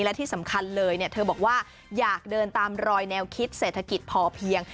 และที่สำคัญเลยเธอบอกว่าอยากเดินตามรอยแนวคิดเศรษฐกิจพอเพียง